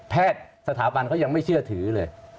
แพทย์สถาบันเค้ายังไม่เชื่อถือเลย